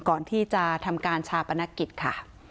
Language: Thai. ก่อนที่จะทำการชาปนกิจค่ะ